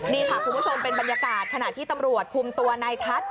นี่ค่ะคุณผู้ชมเป็นบรรยากาศขณะที่ตำรวจคุมตัวนายทัศน์